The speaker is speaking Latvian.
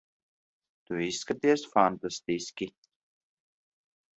Tu izskaties fantastiski.